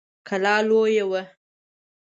کلا لويه وه.